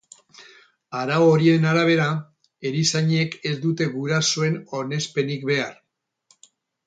Arau horien arabera, erizainek ez dute gurasoen onespenik behar.